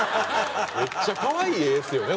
めっちゃ可愛い絵ですよね